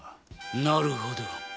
なるほど。